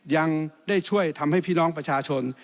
ยังได้ช่วยทำให้พี่น้องประชาชน